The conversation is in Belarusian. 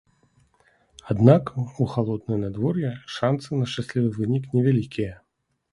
Аднак у халоднае надвор'е шанцы на шчаслівы вынік невялікія.